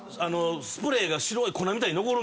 スプレーが白い粉みたいに残る。